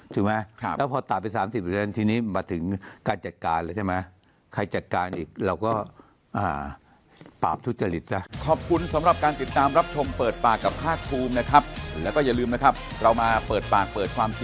ถูกไหมแล้วพอตัดไป๓๐ทีนี้มาถึงการจัดการแล้วใช่ไหม